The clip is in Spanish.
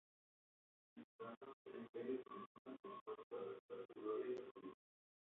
Mientras tanto, el imperio Bizantino se esfuerza para recuperar su gloria perdida.